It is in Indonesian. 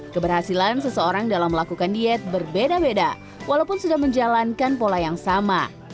keberhasilan seseorang dalam melakukan diet berbeda beda walaupun sudah menjalankan pola yang sama